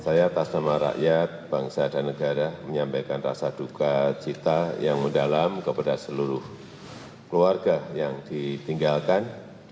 saya atas nama rakyat bangsa dan negara menyampaikan rasa duka cita yang mendalam kepada seluruh keluarga yang ditinggalkan